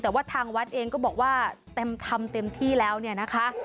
แต่ว่าทางวัดเองก็บอกว่าทำเต็มที่แล้วเนี่ยนะคะ